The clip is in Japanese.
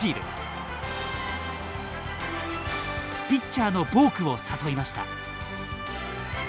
ピッチャーのボークを誘いました。